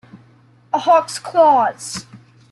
A hawk's claws.